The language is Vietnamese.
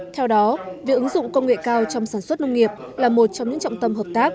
theo đó việc ứng dụng công nghệ cao trong sản xuất nông nghiệp là một trong những trọng tâm hợp tác